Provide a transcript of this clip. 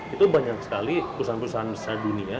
itu banyak sekali perusahaan perusahaan besar dunia